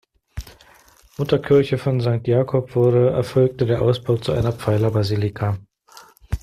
Mutterkirche von Sankt Jakob wurde, erfolgte der Ausbau zu einer Pfeilerbasilika.